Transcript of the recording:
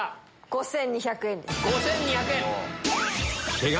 ５２００円です。